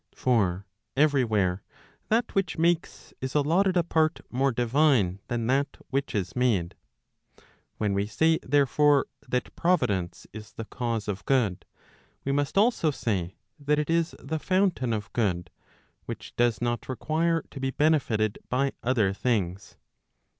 For every where that which makes is allotted a part more divine than that which is made. When we say therefore, that Providence is the cause of good, we must also say that it is the fountain of good, which does not require to be benefited by other things.